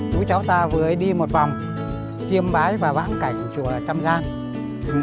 chú cháu ta vừa đi một vòng chiêm bái và vãng cảnh chùa trăm giang